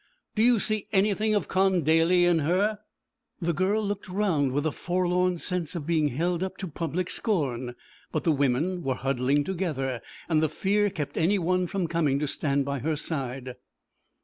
Do you see anything of Con Daly in her?' The girl looked round with a forlorn sense of being held up to public scorn, but the women were huddling together, and the fear kept any one from coming to stand by her side.